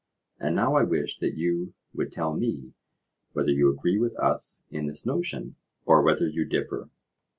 And now I wish that you would tell me whether you agree with us in this notion, or whether you differ.